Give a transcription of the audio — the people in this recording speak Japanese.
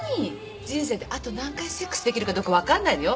人生であと何回セックスできるかどうか分かんないのよ。